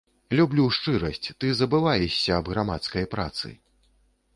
Люблю шчырасць, ты забываешся аб грамадскай працы.